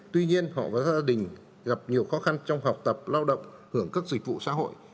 tuy nhiên họ với gia đình gặp nhiều khó khăn trong học tập lao động hưởng các dịch vụ xã hội